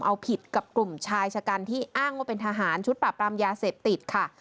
เอาผิดกับกลุ่มชายชะกันที่อ้างว่าเป็นทหารชุดปรับปรามยาเสพติดค่ะ